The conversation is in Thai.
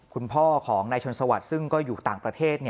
คุณพ่อของนายชนสวัสดิ์ซึ่งก็อยู่ต่างประเทศ